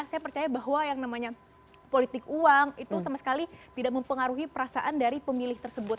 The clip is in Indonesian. saya percaya bahwa yang namanya politik uang itu sama sekali tidak mempengaruhi perasaan dari pemilih tersebut